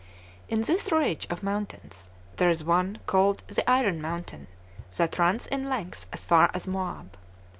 In this ridge of mountains there is one called the Iron Mountain, that runs in length as far as Moab.